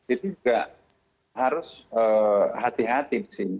itu juga harus hati hati di sini